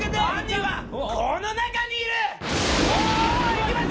いきます！